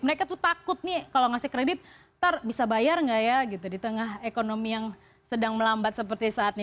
mereka tuh takut nih kalau ngasih kredit ntar bisa bayar nggak ya gitu di tengah ekonomi yang sedang melambat seperti saat ini